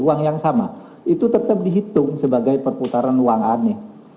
uang yang sama itu tetap dihitung sebagai perputaran uang aneh